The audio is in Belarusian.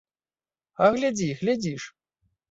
А глядзі, глядзі ж!